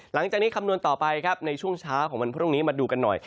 หลังจากนี้คำนวณต่อไปครับในช่วงเช้าของวันพรุ่งนี้มาดูกันหน่อย